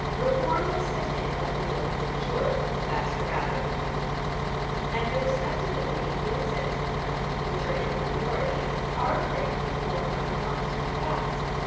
"Reform has set in by the will of the majority that's the rabble, you know; and the respectability and good sense of the country, which are in the minority, are afraid of Reform running on too fast.